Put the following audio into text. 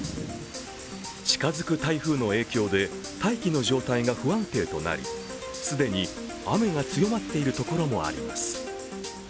近づく台風の影響で大気の状態が不安定となり、既に雨が強まっている所もあります。